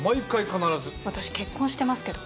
私結婚してますけど。